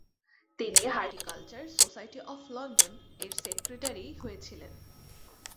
তিনি horticultural society of London এর secretary হয়েছিলেন।